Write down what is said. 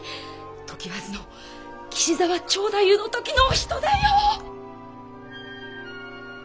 常磐津の岸沢蝶太夫の時のお人だよ！